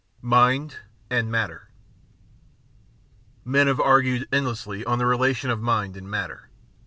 Mind and Matter Men have argued endlessly on the relation of mind and matter.